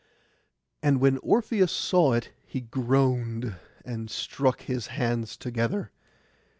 And when Orpheus saw it he groaned, and struck his hands together.